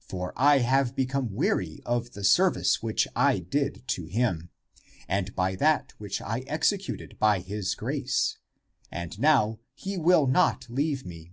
For I have become weary of the service which I did to him, and by that which I executed by his grace, and now he will not leave me.